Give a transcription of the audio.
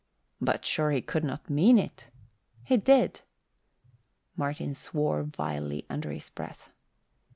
"But sure he could not mean it?" "He did." Martin swore vilely under his breath.